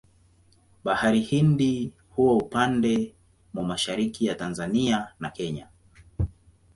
Bahari Hindi huwa upande mwa mashariki ya Tanzania na Kenya.